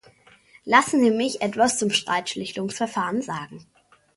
Lassen Sie mich etwas zum Streitschlichtungsverfahren sagen.